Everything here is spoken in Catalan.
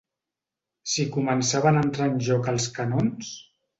Si començaven a entrar en joc els canons...